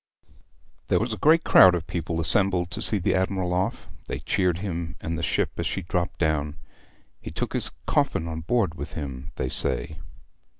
There was a great crowd of people assembled to see the admiral off; they cheered him and the ship as she dropped down. He took his coffin on board with him, they say.'